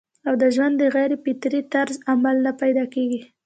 او د ژوند د غېر فطري طرز عمل نه پېدا کيږي